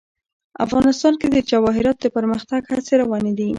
افغانستان کې د جواهرات د پرمختګ هڅې روانې دي.